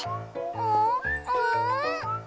うん？